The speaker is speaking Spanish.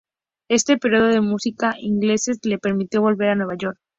Este periodo de musicales ingleses le permitió volver a Nueva York.